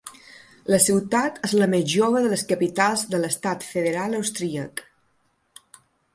La ciutat és la més jove de les capitals de l'Estat federal austríac.